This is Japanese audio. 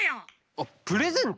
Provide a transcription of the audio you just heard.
あっプレゼント？